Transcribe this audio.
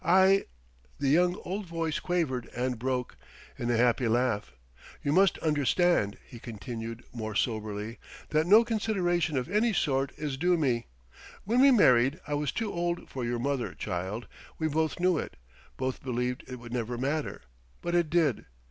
I " The young old voice quavered and broke, in a happy laugh.... "You must understand," he continued more soberly, "that no consideration of any sort is due me. When we married, I was too old for your mother, child; we both knew it, both believed it would never matter. But it did.